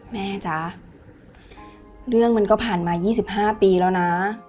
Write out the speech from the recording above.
แม่จ๋าเรื่องมันก็ผ่านมายี่สิบห้าปีแล้วน่ะ